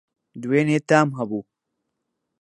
دوێنی تام هەبوو